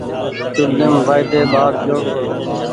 چوليم وآئيۮي ٻآڙ جو